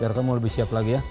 biar kamu mau lebih siap lagi ya